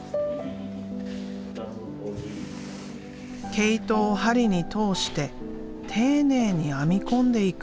毛糸を針に通して丁寧に編み込んでいく。